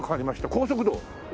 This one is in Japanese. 高速道路？